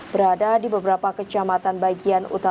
berada di beberapa kecamatan